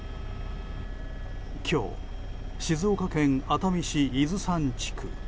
今日静岡県熱海市伊豆山地区。